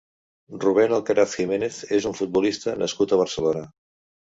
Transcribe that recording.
Rubén Alcaraz Jiménez és un futbolista nascut a Barcelona.